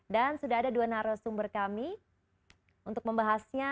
dan sudah ada dua narasumber kami untuk membahasnya